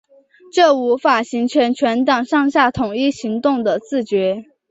就无法形成全党上下统一行动的自觉